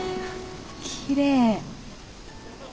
きれい。